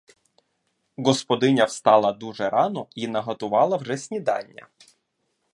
Господиня встала дуже рано й наготувала вже снідання.